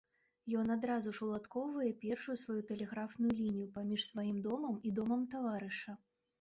Ён адразу ж уладкоўвае першую сваю тэлеграфную лінію паміж сваім домам і домам таварыша.